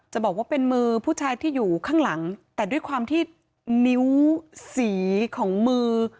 บอกว่าเป็นมือผู้ชายที่อยู่ข้างหลังแต่ด้วยความที่นิ้วสีของมือ